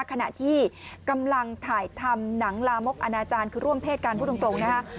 ขณะที่กำลังถ่ายทำหนังลามกอนาจารย์คือร่วมเพศการพูดตรงนะฮะ